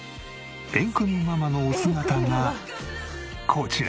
エンクミママのお姿がこちら。